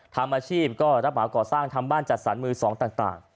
ทำอาชีพก็รับเหมาก่อสร้างทำบ้านจัดสรรมือสองต่าง